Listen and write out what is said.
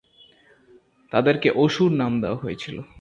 তাদেরকে "অসুর" নাম দেওয়া হয়েছিল।